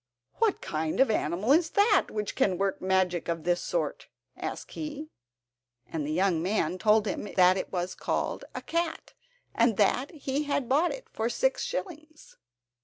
"What kind of animal is that which can work magic of this sort?" asked he. And the young man told him that it was called a cat, and that he had bought it for six shillings.